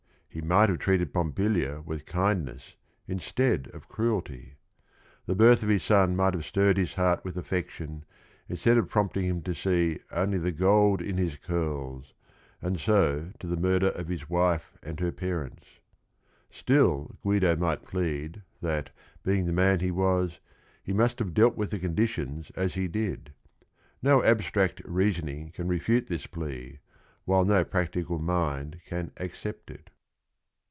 He might have treated Pompilia with kindness in stead of cruelty. The birth of his son might have stirred his heart with affection instead of prompt ing him to see only the "gold in his curls," and so to the murder of his wife and her parents. Still Guido might plead that, being the man he was, he must have dealt with the conditions as he did. No abstract reasoning can refute this plea, while no practical mind can accept it.